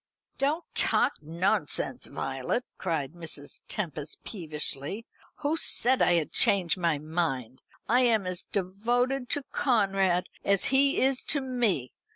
"Don't talk nonsense, Violet," cried Mrs. Tempest peevishly. "Who said I had changed my mind? I am as devoted to Conrad as he is to me.